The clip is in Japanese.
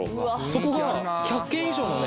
そこが１００軒以上のね